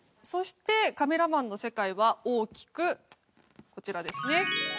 そしてカメラマンの世界は大きくこちらですね。